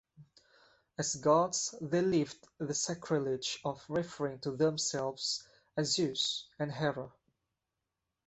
As gods, they lived the sacrilege of referring to themselves as Zeus and Hera.